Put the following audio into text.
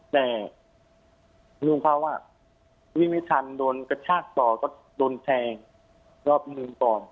แต่ลุงเขาวิ่งไม่ทันโดนกระชากต่อก็โดนแทงรอบหนึ่งก่อน